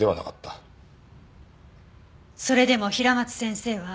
それでも平松先生は。